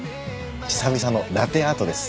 久々のラテアートです。